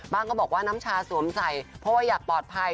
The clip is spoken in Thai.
ก็บอกว่าน้ำชาสวมใส่เพราะว่าอยากปลอดภัย